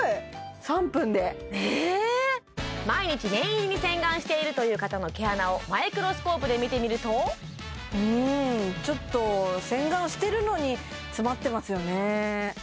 ３分で毎日念入りに洗顔しているという方の毛穴をマイクロスコープで見てみるとうんちょっと洗顔してるのに詰まってますよね